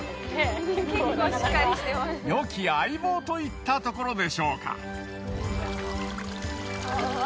よき相棒といったところでしょうか。